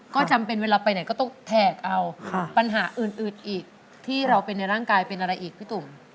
ก็จำเป็นเวลาไปไหนก็ต้องแทกเอาปัญหาอื่นอีกที่เราเป็นในร่างกายเป็นอะไรอีกพี่ตุ่ม